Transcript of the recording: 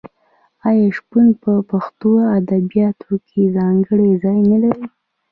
آیا شپون په پښتو ادبیاتو کې ځانګړی ځای نلري؟